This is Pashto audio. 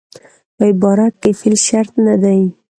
په عبارت کښي فعل شرط نه دئ.